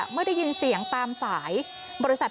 เมื่อได้ยินเสียงตามสายบริษัท